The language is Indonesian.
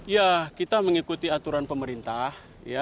ya kita mengikuti aturan pemerintah